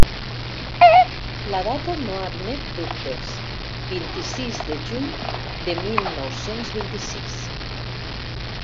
La data no admet dubtes: vint-i-sis de juny de mil nou-cents vint-i-sis.